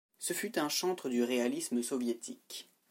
Ce fut un chantre du réalisme soviétique.